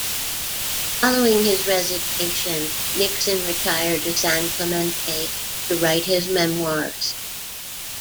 Following his resignation, Nixon retired to San Clemente to write his memoirs.